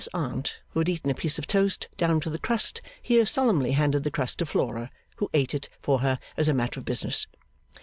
's Aunt, who had eaten a piece of toast down to the crust, here solemnly handed the crust to Flora, who ate it for her as a matter of business.